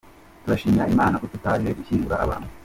Turashimira Imana ko tutaje gushyingura abantu.